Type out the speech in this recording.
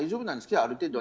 ある程度は。